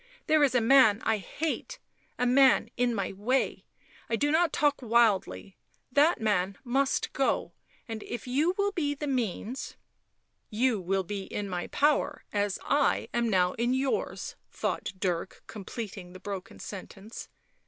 " There is a man I hate, a man in my way — I do not talk wildly; that man must go, and if you will be the means "" You will be in my power as I am now in yours," thought Dirk, completing the broken sentence.